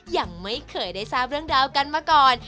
ยังไม่เคยได้ทราบเรื่องราวกันมาก่อน